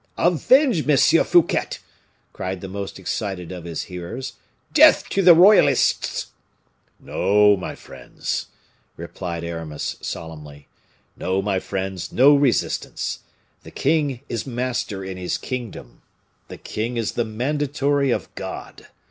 "Avenge Monsieur Fouquet!" cried the most excited of his hearers, "death to the royalists!" "No, my friends," replied Aramis, solemnly; "no, my friends; no resistance. The king is master in his kingdom. The king is the mandatory of God.